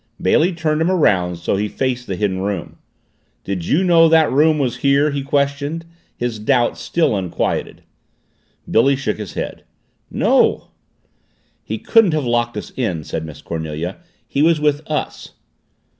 Bailey turned him around so that he faced the Hidden Room. "Did you know that room was there?" he questioned, his doubts still unquieted. Billy shook his head. "No." "He couldn't have locked us in," said Miss Cornelia. "He was with us."